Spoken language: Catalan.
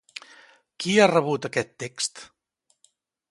Qui ha rebut aquest text?